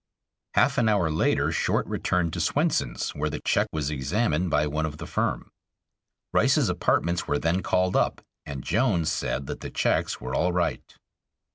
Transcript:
Half an hour later Short returned to Swenson's, where the check was examined by one of the firm. Rice's apartments were then called up, and Jones said that the checks were all right.